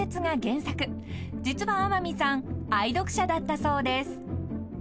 ［実は天海さん愛読者だったそうです］